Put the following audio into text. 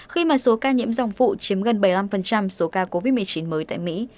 khi mà số ca nhiễm dòng phụ chiếm gần bảy mươi năm số ca covid một mươi chín mới tại mỹ